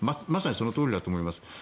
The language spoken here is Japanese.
まさにそのとおりだと思います。